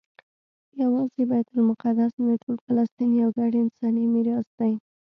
یوازې بیت المقدس نه ټول فلسطین یو ګډ انساني میراث دی.